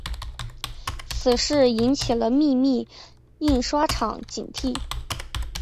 此事引起了秘密印刷厂警惕。